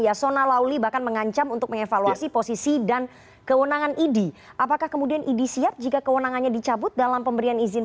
yasona lawli bahkan mengancam untuk mengevaluasi posisi dan kewenangan idi